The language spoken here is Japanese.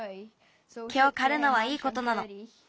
けをかるのはいいことなの。